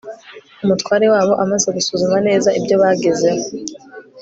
umutware wabo, amaze gusuzuma neza ibyo bagezeho